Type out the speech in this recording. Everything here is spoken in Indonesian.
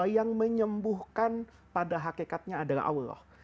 yang menyembuhkan pada hakikatnya adalah allah